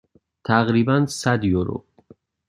تقریبا صد یورو.